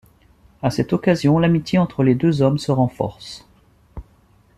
À cette occasion, l'amitié entre les deux hommes se renforce.